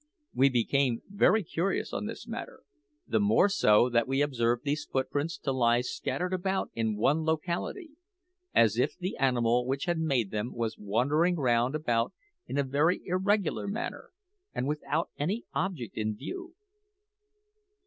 We became very curious on this matter, the more so that we observed these footprints to lie scattered about in one locality, as if the animal which had made them was wandering round about in a very irregular manner and without any object in view.